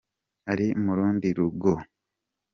Ari murundi rugo?